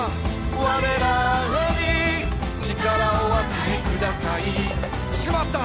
「われらに力をお与えください」「しまった！」